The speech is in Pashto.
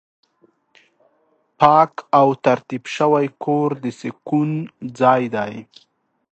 پاک او ترتیب شوی کور د سکون ځای دی.